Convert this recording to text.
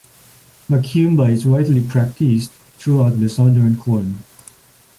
Macumba is widely practiced throughout the Southern Cone.